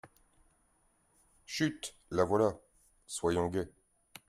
Chut ! la voilà ! soyons gais !